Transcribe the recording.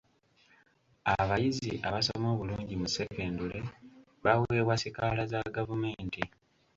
Abayizi abasoma obulungi mu sekendule baweebwa sikaala za gavumenti.